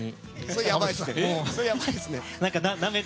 それやばいですね。